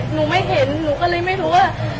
หนูไม่เห็นหนูก็เลยไม่รู้ว่า